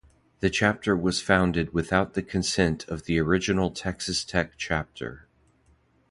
The chapter was founded without the consent of the original Texas Tech Chapter.